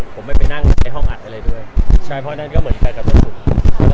ผมไม่ไปนั่งในห้องอัดอะไรด้วยใช่เพราะนั่นก็เหมือนกันกับพวกผม